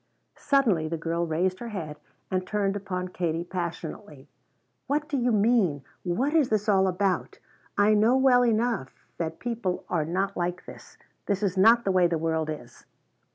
Suddenly the girl raised her head and turned upon Katie passionately. "What do you mean? What is this all about? I know well enough that people are not like this! This is not the way the world is!"